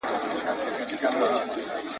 د لنډو کیسو څلور مجموعې یې چاپ ته وسپارلې ..